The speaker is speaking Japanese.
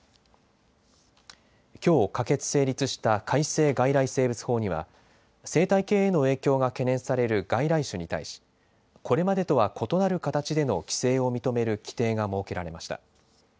きょう可決・成立した改正外来生物法には生態系への影響が懸念される外来種に対しこれまでとは異なる形での規制を認める規定が設けられました。